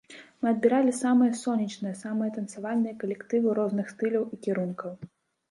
Мы адбіралі самыя сонечныя, самыя танцавальныя калектывы розных стыляў і кірункаў.